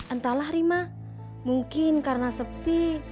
entahlah rima mungkin karena sepi